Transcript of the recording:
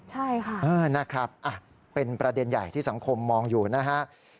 ใช่ค่ะนะครับเป็นประเด็นใหญ่ที่สังคมมองอยู่นะฮะ